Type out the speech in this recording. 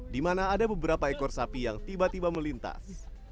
di mana ada beberapa ekor sapi yang tiba tiba melintas